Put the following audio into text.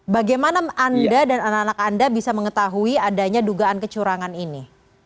bagaimana anda dan anak anak anda bisa mengetahui adanya dugaan kecurangan ini